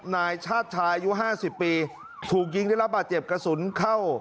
นายชาติชายอายุ๕๐ปีถูกยิงได้รับบาดเจ็บกระสุนเข้า